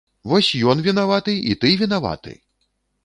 Вось ён вінаваты і ты вінаваты!